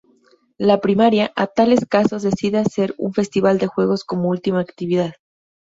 La primaria, a tales casos, decide hacer un festival de juegos como última actividad.